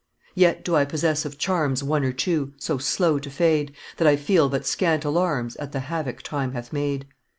"Yet do I possess of charms One or two, so slow to fade, That I feel but scant alarms At the havoc Time hath made.